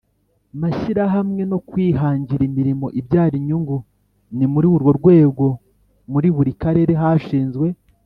mashyirahamwe no kwihangira imirimo ibyara inyungu Ni muri urwo rwego muri buri karere hashinzwe